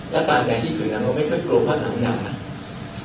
และปานแดงที่อยู่ในนั้นเราไม่เคยกลัวเพราะสำนัก